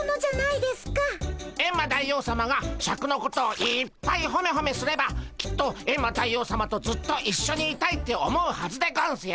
エンマ大王さまがシャクのことをいっぱいホメホメすればきっとエンマ大王さまとずっといっしょにいたいって思うはずでゴンスよ。